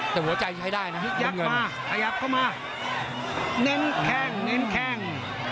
แต่หัวใจใช้ได้นะยึกยักษ์มาขยับเข้ามาเน้นแข้งเน้นแข้ง